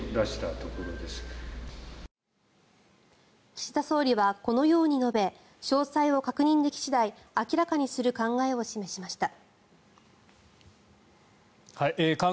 岸田総理はこのように述べ詳細を確認でき次第明らかにする考えを示しました。